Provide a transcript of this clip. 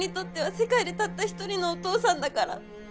世界でたった一人のお父さんだから